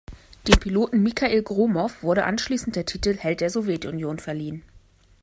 Dem Piloten Michail Gromow wurde anschließend der Titel Held der Sowjetunion verliehen.